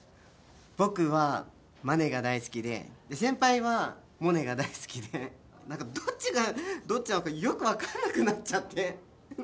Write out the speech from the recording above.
僕はマネが大好きでで先輩はモネが大好きで何かどっちがどっちなのかよく分かんなくなっちゃって。